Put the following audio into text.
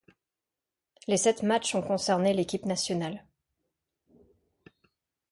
Les sept matchs ont concerné l'équipe nationale.